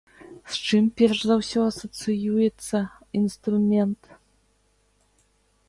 З чым перш за ўсё асацыюецца інструмент?